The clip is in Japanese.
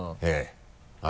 はい。